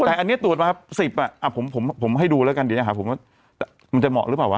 แต่อันนี้ตรวจมาครับ๑๐อ่ะผมให้ดูแล้วกันเดี๋ยวอย่างนี้มันจะเหมาะหรือเปล่าวะ